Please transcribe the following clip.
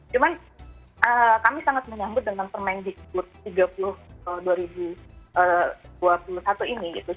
cuman kami sangat menyambut dengan permendikbud tiga puluh dua ribu dua puluh satu ini gitu